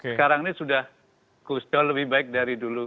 sekarang ini sudah kusdol lebih baik dari dulu